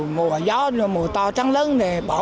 mùa gió mùa to trắng lớn này bỏ